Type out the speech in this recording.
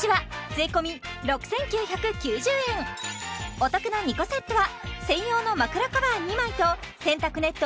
お得な２個セットは専用の枕カバー２枚と洗濯ネット